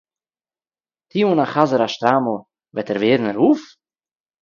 טו אָן אַ חזיר אַ שטרײַמל, וועט ער ווערן רבֿ?